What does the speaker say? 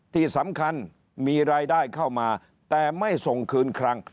ที่สำคัญมีรายได้เข้ามาแต่ไม่ส่งคืนคลัง